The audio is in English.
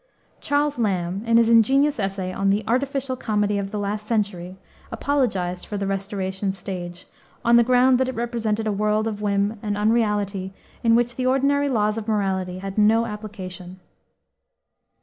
Charles Lamb, in his ingenious essay on "The Artificial Comedy of the Last Century," apologized for the Restoration stage, on the ground that it represented a world of whim and unreality in which the ordinary laws of morality had no application.